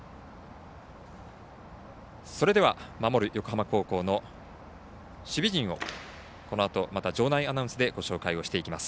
それでは、守る横浜高校の守備陣を場内アナウンスでご紹介していきます。